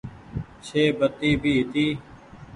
ڇي بتي ڀي هيتي۔